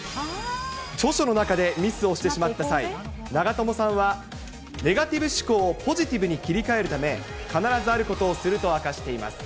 著書の中で、ミスをしてしまった際、長友さんはネガティブ思考をポジティブに切り替えるため、必ずあることをすると明かしています。